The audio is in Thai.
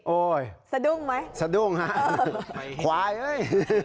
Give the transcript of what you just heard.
สะดุ้งไหมสะดุ้งฮะควายเฮ้ย